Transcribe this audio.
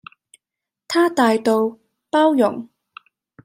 她大道、包容